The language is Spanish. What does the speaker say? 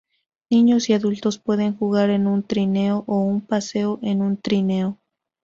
Niños y adultos pueden jugar en un trineo o un paseo en un trineo.